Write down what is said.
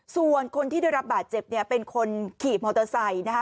ส่วนคนที่ได้รับบาดเจ็บเนี่ยเป็นคนขี่มอเตอร์ไซค์นะคะ